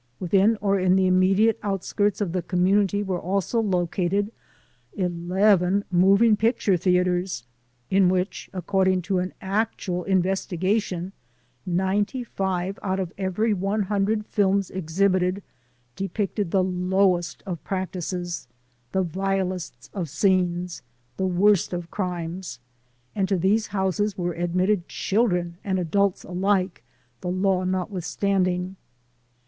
Within or in the immediate outskirts of the com munity were also located eleven moving picture theaters in which, according to an actual investiga tion, 95 out of every 100 films exhibited depicted the lowest of practices, the vilest of scenes, the worst of crimes ; and to these houses were admitted children and adults alike, the law notwithstanding.